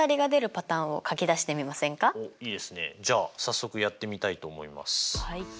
じゃあ早速やってみたいと思います。